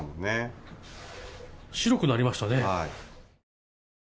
白くなりましたね。